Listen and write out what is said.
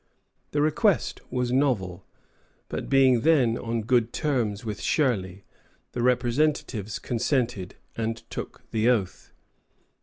The request was novel, but being then on good terms with Shirley, the Representatives consented, and took the oath.